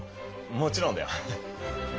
もちろんだよ。